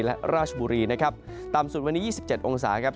และราชบุรีนะครับต่ำสุดวันนี้ยี่สิบเจ็ดองศาครับ